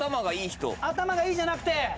頭がいいじゃなくて。